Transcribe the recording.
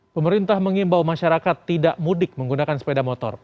pemerintah mengimbau masyarakat tidak mudik menggunakan sepeda motor